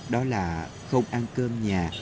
đó là không ăn cơm nhà